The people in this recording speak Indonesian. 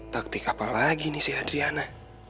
taktik apa lagi nih si adriana